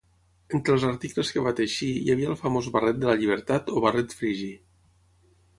Entre els articles que van teixir hi havia el famós barret de la llibertat o barret frigi.